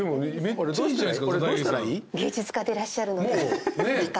これどうしたらいい？